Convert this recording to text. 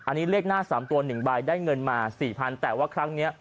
อันนี้เลขหน้า๓ตัว๑ใบได้เงินมา๔๐๐๐แต่ว่าครั้งนี้